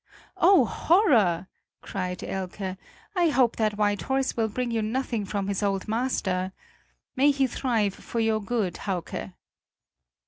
"Oh, horror," cried Elke; "I hope that white horse will bring you nothing from his old master. May he thrive for your good, Hauke!"